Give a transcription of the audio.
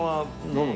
飲む？